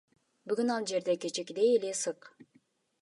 Бүгүн ал жерде кечээкидей эле ысык.